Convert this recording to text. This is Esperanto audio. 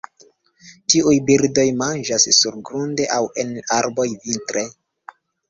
Tiuj birdoj manĝas surgrunde aŭ en arboj vintre.